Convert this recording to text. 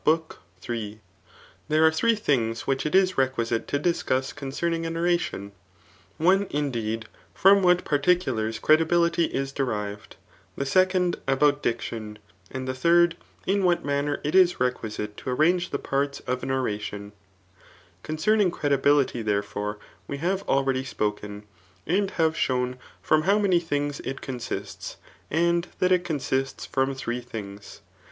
CHAPTER L THERE are thrae dugs vfaich it b requisite to tiiscttti cottcenuag &n ondQik ; ooSf indeed, from vhat particui* Uxs credibiUty ik demed ; the seaxnd, about dicadoli; and the third, in what manner it is requiake to arrange the parts of an oradon. Concerning credibility, there fore, we have already spoken, and have ^own firom how many things it consists^ and that it consists fipom three things.